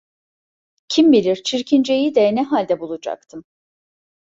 Kim bilir Çirkince'yi de ne halde bulacaktım.